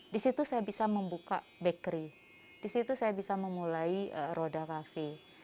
di situ saya bisa membuka bakery disitu saya bisa memulai roda kafe